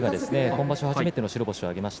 今場所、初めての白星です。